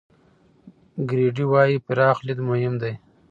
ګرېډي وايي، پراخ لید مهم دی.